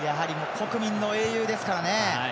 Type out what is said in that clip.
国民の英雄ですからね。